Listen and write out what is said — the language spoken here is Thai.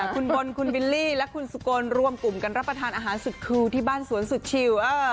คุณบนคุณบิลลี่และคุณสุกลรวมกลุ่มกันรับประทานอาหารสุดคิวที่บ้านสวนสุดชิว